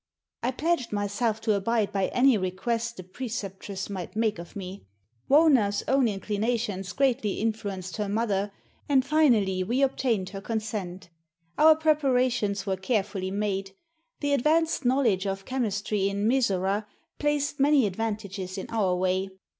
I pledged myself to abide by any request the Preceptress might make of me. Wauna's own inclinations greatly influenced her mother, and finally we obtained her consent. Our preparations were carefully made. The advanced knowledge of chemistry in Mizora placed many advantages in our way.